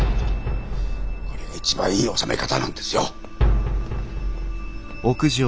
これが一番いい収め方なんですよ。